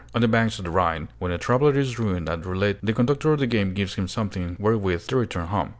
On the banks of the Rhine, when a traveler is ruined at roulette, the conductor of the game gives him something wherewith to return home."